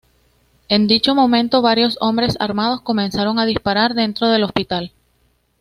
En dicho momento, varios hombres armados comenzaron a disparar dentro del hospital.